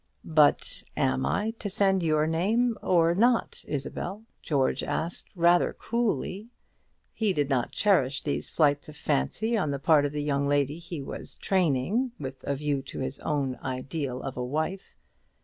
"But am I to send your name, or not, Isabel?" George asked, rather coolly. He did not relish these flights of fancy on the part of the young lady he was training with a view to his own ideal of a wife.